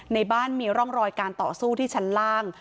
ในบ้านมีร่องรอยการต่อสู้ที่ชั้นล่าง